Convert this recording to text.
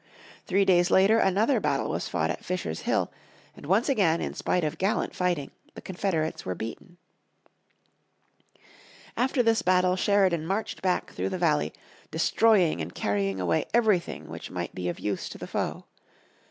Three days later another battle was fought at Fisher's Hill, and once again in spite of gallant fighting the Confederates were beaten. After this battle Sheridan marched back through the valley, destroying and carrying away everything which might be of use to the foe.